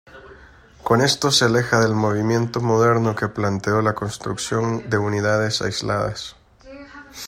Con esto se aleja del movimiento moderno que planteó la construcción de unidades aisladas.